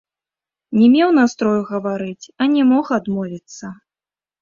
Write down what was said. Не меў настрою гаварыць, а не мог адмовіцца.